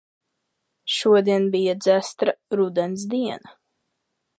Šodien bija dzestra rudens diena.